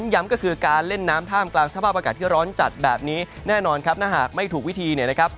ย้ำก็คือการเล่นน้ำท่ามกลางสภาพอากาศที่ร้อนจัดแบบนี้แน่นอนครับถ้าหากไม่ถูกวิธีเนี่ยนะครับ